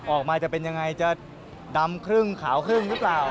ออกมาจะเป็นยังไงจะดำครึ่งขาวครึ่งหรือเปล่า